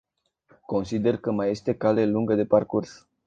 Consider că mai este cale lungă de parcurs.